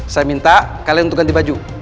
saya minta kalian untuk ganti baju